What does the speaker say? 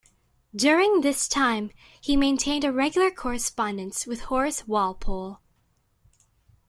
During this time, he maintained a regular correspondence with Horace Walpole.